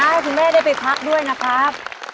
ให้คุณแม่ได้ไปพักด้วยนะครับ